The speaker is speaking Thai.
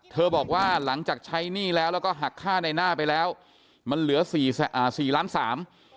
เธอบอกว่าหลังจากใช้หนี้แล้วแล้วก็หักค่าในหน้าไปแล้วมันเหลือ๔ล้าน๓